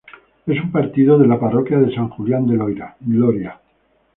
Es un partido de la parroquia de San Julián de Loria.